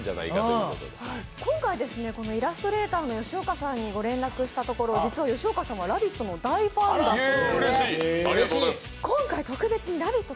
今回、イラストレーターの吉岡さんに連絡したところ実は吉岡さんは「ラヴィット！」の大ファンだそうで今回、特別に「ラヴィット！」